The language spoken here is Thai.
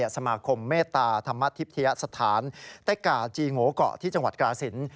สมาคมเมตตาธรรมทิพยสถานเต็กก่าจีโงเกาะที่จังหวัดกาศิลป์